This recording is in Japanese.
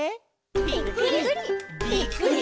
ぴっくり！